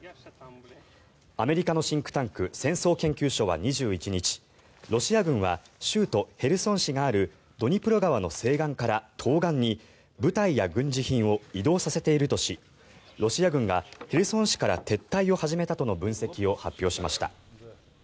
アメリカのシンクタンク戦争研究所は２１日ロシア軍は州都ヘルソン市があるドニプロ川の西岸から東岸に部隊や軍事品を移動させているとしロシア軍がヘルソン市から撤退を始めたとの分析を発表しました。